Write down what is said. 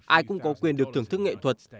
ai cũng có quyền được thưởng thức nghệ thuật